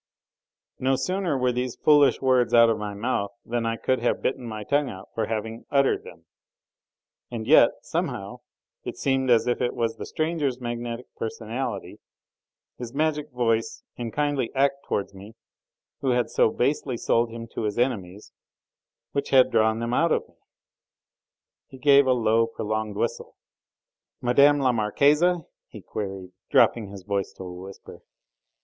No sooner were these foolish words out of my mouth than I could have bitten my tongue out for having uttered them; and yet, somehow, it seemed as if it was the stranger's magnetic personality, his magic voice and kindly act towards me, who had so basely sold him to his enemies, which had drawn them out of me. He gave a low, prolonged whistle. "Mme. la Marquise?" he queried, dropping his voice to a whisper.